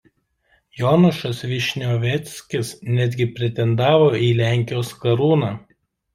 Jonušas Višnioveckis netgi pretendavo į Lenkijos karūną.